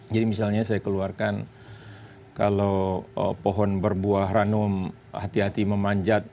jadi misalnya saya keluarkan kalau pohon berbuah ranum hati hati memanjat